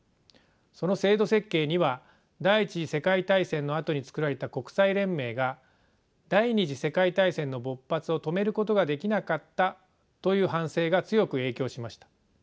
その制度設計には第１次世界大戦のあとに作られた国際連盟が第２次世界大戦の勃発を止めることができなかったという反省が強く影響しました。